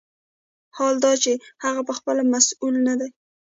حال دا چې هغه پخپله مسوول نه دی.